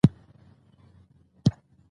رګونه یې پرې نه شو